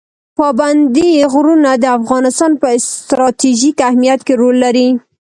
پابندي غرونه د افغانستان په ستراتیژیک اهمیت کې رول لري.